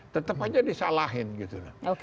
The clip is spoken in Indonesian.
tetap aja disalahin gitu